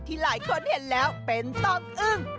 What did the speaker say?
หลายคนเห็นแล้วเป็นต้องอึ้ง